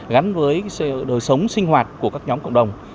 gắn với đời sống sinh hoạt của các nhóm cộng đồng